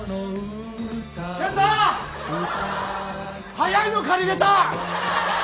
速いの借りれた。